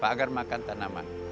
pak agar makan tanaman